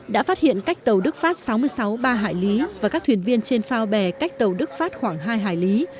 đã phát hiện cách tàu đức phát sáu mươi sáu ba hải lý và các thuyền viên trên phao bè cách tàu đức pháp khoảng hai hải lý